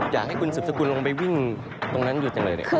อยากให้คุณสืบสกุลลงไปวิ่งตรงนั้นอยู่จังเลยเนี่ย